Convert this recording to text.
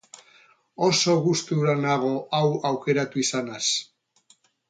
Oso gustura nago hau aukeratu izanaz.